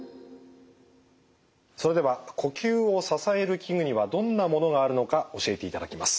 それでは呼吸を支える器具にはどんなものがあるのか教えていただきます。